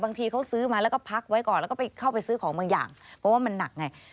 บางทีเขาซื้อมาแล้วก็พักไว้ก่อนแล้วก็ไปเข้าไปซื้อของบางอย่างเพราะว่ามันหนักไง